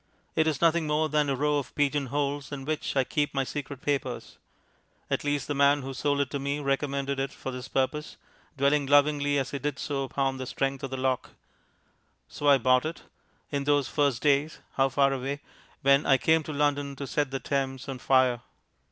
It is nothing more than a row of pigeon holes in which I keep my secret papers. At least, the man who sold it to me recommended it for this purpose, dwelling lovingly as he did so upon the strength of the lock. So I bought it in those first days (how far away!) when I came to London to set the Thames on fire.